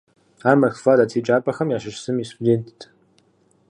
Ар Москва дэт еджапӀэхэм ящыщ зым и студентт.